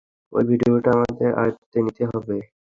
ঐ ডিভিডিটা আমাদের আয়ত্তে নিতে হবে।